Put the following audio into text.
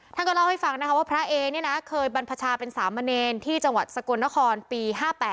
ท่านก็เล่าให้ฟังนะคะว่าพระเอเนี่ยนะเคยบรรพชาเป็นสามเณรที่จังหวัดสกลนครปี๕๘